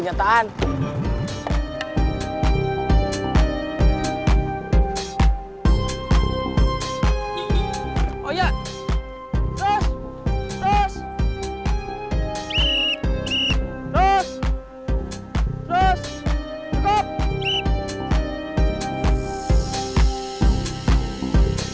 biar kuat menghadapimu